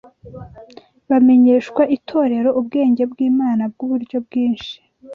bamenyeshwa Itorero ubwenge bw’Imana bw’uburyo bwinshi